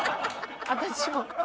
私も？